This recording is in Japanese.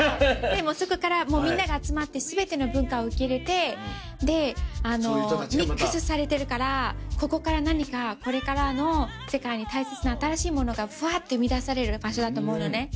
でもそこからみんなが集まって全ての文化を受け入れてでミックスされてるからここから何かこれからの世界に大切な新しいものがふわって生み出される場所だと思うのね。